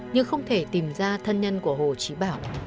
nhưng không thể tìm ra thân nhân của hồ trí bảo